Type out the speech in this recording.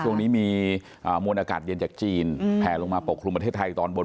ช่วงนี้มีมวลอากาศเย็นจากจีนแผลลงมาปกคลุมประเทศไทยตอนบน